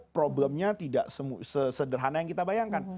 problemnya tidak sesederhana yang kita bayangkan